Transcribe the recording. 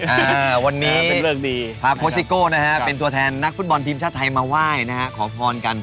อ่าวันนี้เป็นเรื่องดีพาโคสิโก้นะฮะเป็นตัวแทนนักฟุตบอลทีมชาติไทยมาไหว้นะฮะขอพรกัน